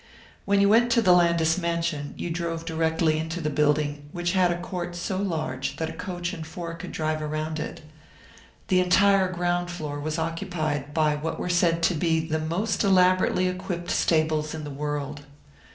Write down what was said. When you went to the Landis mansion, you drove directly into the building, which had a court so large that a coach and four could drive around it. The entire ground floor was occupied by what were said to be the most elaborately equipped stables in the world.